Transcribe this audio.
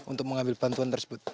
untuk mengambil bantuan tersebut